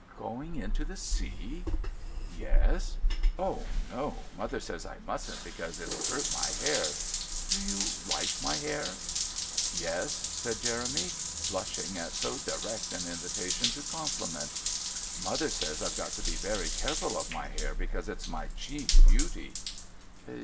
"Going into the sea?" "Yes." "Oh, no! Mother says I mustn't, because it'll hurt my hair. Do you like my hair?" "Yes," said Jeremy, blushing at so direct an invitation to compliment. "Mother says I've got to be very careful of my hair because it's my chief beauty."